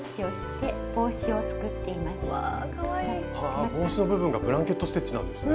帽子の部分がブランケット・ステッチなんですね。